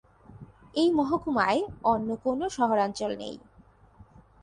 এই মহকুমায় অন্য কোনো শহরাঞ্চল নেই।